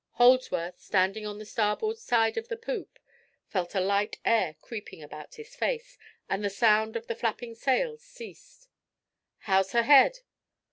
Holdsworth, standing on the starboard side of the poop, felt a light air creeping about his face, and the sound of the flapping sails ceased. "How's her head?"